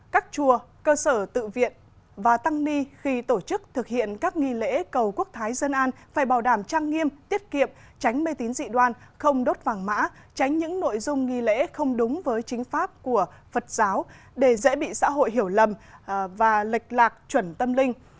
các chùa cơ sở tự viện và tăng ni khi tổ chức thực hiện các nghi lễ cầu quốc thái dân an phải bảo đảm trang nghiêm tiết kiệm tránh mê tín dị đoan không đốt vàng mã tránh những nội dung nghi lễ không đúng với chính pháp của phật giáo để dễ bị xã hội hiểu lầm và lệch lạc chuẩn tâm linh